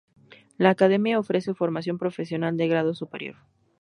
La academia ofrece formación profesional de grado superior.